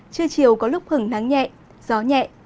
trưa chiều có lúc hứng nắng nhẹ gió nhẹ